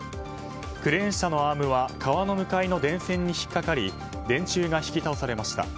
クレーン車のアームは川の向かいの電線に引っかかり電柱が引き倒されました。